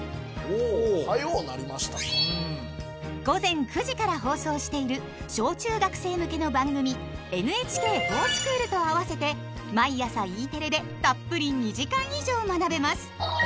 午前９時から放送している小・中学生向けの番組「ＮＨＫｆｏｒＳｃｈｏｏｌ」と合わせて毎朝Ｅテレでたっぷり２時間以上学べます。